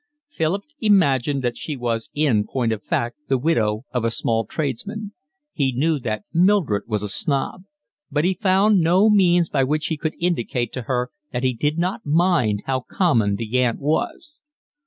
Philip imagined that she was in point of fact the widow of a small tradesman. He knew that Mildred was a snob. But he found no means by which he could indicate to her that he did not mind how common the aunt was.